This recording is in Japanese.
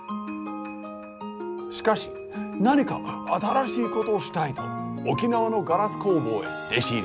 しかし何か新しいことをしたいと沖縄のガラス工房へ弟子入り。